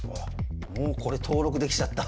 もうこれ登録できちゃった。